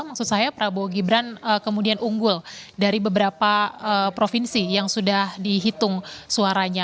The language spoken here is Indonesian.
maksud saya prabowo gibran kemudian unggul dari beberapa provinsi yang sudah dihitung suaranya